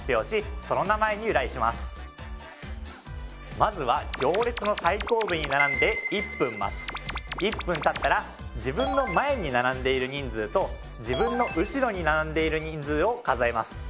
まずは行列の最後尾に並んで１分待つ１分たったら自分の前に並んでいる人数と自分の後ろに並んでいる人数を数えます